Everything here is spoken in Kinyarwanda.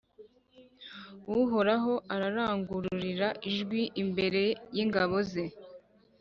Uhoraho ararangururira ijwi imbere y’ingabo ze!